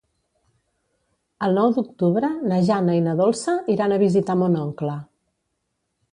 El nou d'octubre na Jana i na Dolça iran a visitar mon oncle.